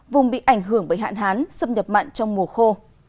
vùng bị ảnh hưởng bởi hạn hán xâm nhập mặn trong mùa khô